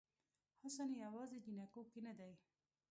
حسن یوازې جینکو کې نه دی